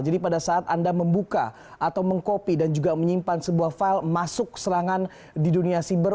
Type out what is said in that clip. jadi pada saat anda membuka atau mengkopi dan juga menyimpan sebuah file masuk serangan di dunia siber